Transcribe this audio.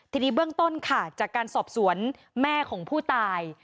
ทีนี้เบื้องต้นค่ะจากการสอบสวนแม่ของผู้ตาย